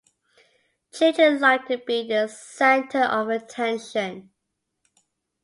Children like to be the centre of attention